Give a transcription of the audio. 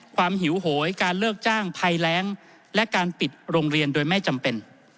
หิวโหยการเลิกจ้างภัยแรงและการปิดโรงเรียนโดยไม่จำเป็น